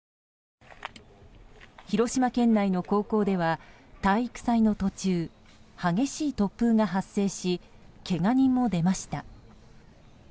広島県内の高校では体育祭の途中激しい突風が発生しけが人も出ました。